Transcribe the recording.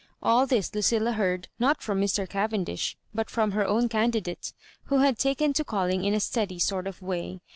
All this Lucilla heard, not from Mr. Cavendish, but from her own candidate, who had taken to calling in a steady sort of way.